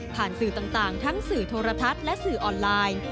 สื่อต่างทั้งสื่อโทรทัศน์และสื่อออนไลน์